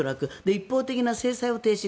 一方的な制裁を停止。